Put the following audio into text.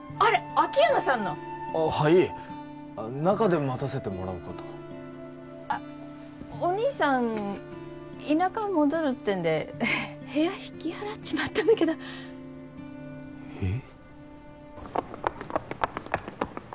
秋山さんのああはい中で待たせてもらおうかとあッお兄さん田舎戻るってんで部屋引き払っちまったんだけどえッ！？